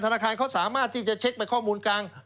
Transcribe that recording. ธนาคารเขาสามารถที่จะเช็คไปข้อมูลกลาง